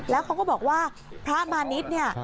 แล้วเขาก็บอกว่าพระอมาณิชย์